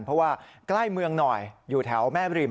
เพราะว่าใกล้เมืองหน่อยอยู่แถวแม่บริม